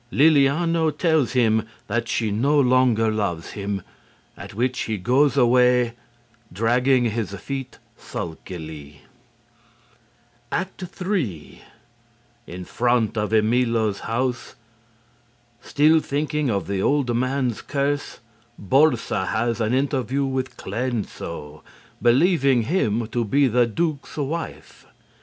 Lilliano tells him that she no longer loves him, at which he goes away, dragging his feet sulkily. ACT 3 In Front of Emilo's House. Still thinking of the old man's curse, Borsa has an interview with Cleanso, believing him to be the Duke's wife.